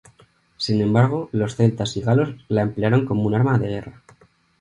Sin embargo, los celtas y galos la emplearon como un arma de guerra.